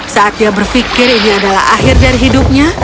saat dia berpikir ini adalah akhir dari hidupnya